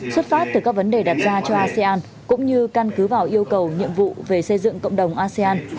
xuất phát từ các vấn đề đặt ra cho asean cũng như căn cứ vào yêu cầu nhiệm vụ về xây dựng cộng đồng asean